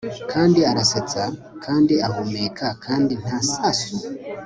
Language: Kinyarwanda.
kandi arasetsa kandi ahumeka kandi nta sasu